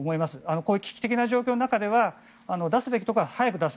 こういう危機的な状況の中では出すべきところは早く出す。